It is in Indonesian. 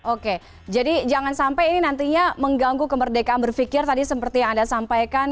oke jadi jangan sampai ini nantinya mengganggu kemerdekaan berpikir tadi seperti yang anda sampaikan